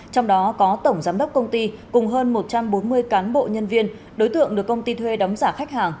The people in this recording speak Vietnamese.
trong đó có tổng giám đốc công ty cùng hơn một trăm bốn mươi cán bộ nhân viên đối tượng được công ty thuê đóng giả khách hàng